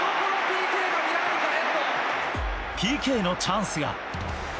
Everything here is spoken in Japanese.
ＰＫのチャンスが。